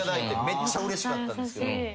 めっちゃうれしかったんですよ。